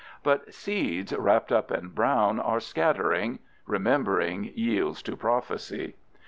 But seeds wrapped up in brown are scattering. Remembrance yields to prophecy.